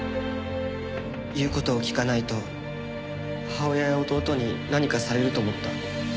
言う事を聞かないと母親や弟に何かされると思った。